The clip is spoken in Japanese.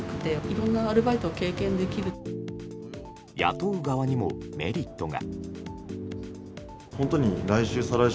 雇う側にもメリットが。